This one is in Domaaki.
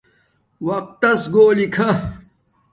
وقت تس کھولی کھا